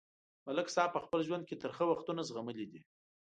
ملک صاحب په خپل ژوند کې ترخه وختونه زغملي دي.